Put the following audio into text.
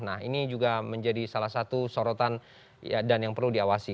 nah ini juga menjadi salah satu sorotan dan yang perlu diawasi